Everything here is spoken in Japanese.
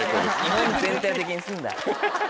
日本全体敵にすんな。